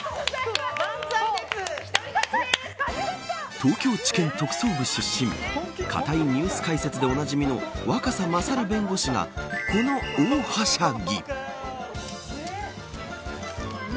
東京地検特捜部出身堅いニュース解説でおなじみの若狭勝弁護士がこの大はしゃぎ。